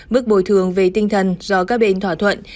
mức bồi thường về tinh thần do các bên thỏa thuận